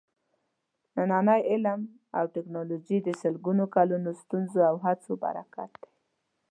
نننی علم او ټېکنالوجي د سلګونو کالونو ستونزو او هڅو برکت دی.